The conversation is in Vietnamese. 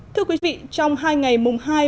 thưa quý vị trong hai ngày mùng hai vàng